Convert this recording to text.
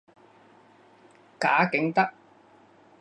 贾景德。